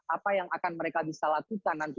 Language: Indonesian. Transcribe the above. apa yang akan mereka bisa lakukan nanti